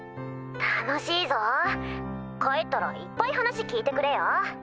☎楽しいぞ帰ったらいっぱい話聞いてくれよ